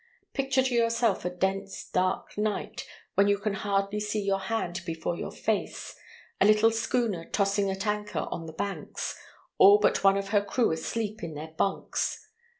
Picture to yourself a dense, dark night, when you can hardly see your hand before your face; a little schooner tossing at anchor on the Banks, all but one of her crew asleep in their bunks.